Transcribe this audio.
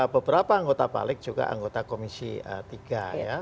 beberapa anggota balik juga anggota komisi tiga ya